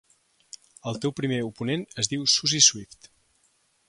El teu primer oponent es diu "Suzi Swift".